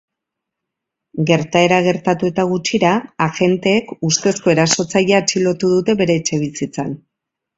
Gertaera gertatu eta gutxira, agenteek ustezko erasotzailea atxilotu dute, bere etxebizitzan.